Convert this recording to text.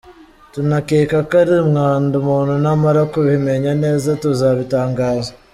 Tunakeka ko ari umwanda, umuntu namara kubimenya neza tuzabitangaza“.